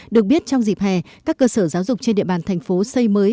được biết trong dịp hè các cơ sở giáo dục trên địa bàn thành phố xây mới